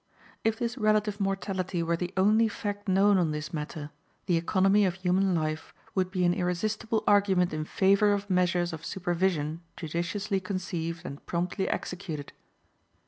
If this relative mortality were the only fact known on this matter, the economy of human life would be an irresistible argument in favor of measures of supervision judiciously conceived and promptly executed.